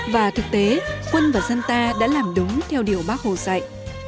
và thực tế quân và dân ta đã làm đúng theo điều bác hồ dạy